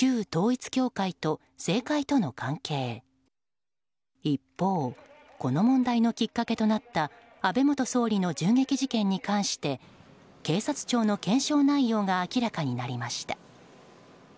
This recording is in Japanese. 一方この問題のきっかけとなった安倍元総理の銃撃事件に関して警察庁の検証内容が明らかになりました。